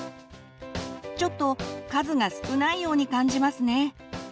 ちょっと数が少ないように感じますね。